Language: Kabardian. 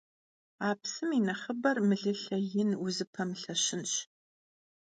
A psım yi nexhıber mılılhe yin vuzıpemılheşınş.